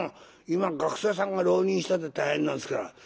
今学生さんが浪人したって大変なんですから。